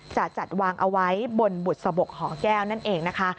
จะจัดวางเอาไว้บนบุษบกหอแก้วนั่นเองนะคะ